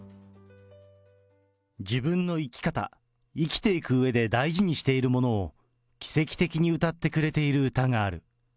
自分の生き方、生きていくうえで大事にしているものを、奇跡的に歌ってくれている歌がある。